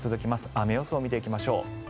雨予想を見ていきましょう。